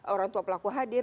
orang tua pelaku hadir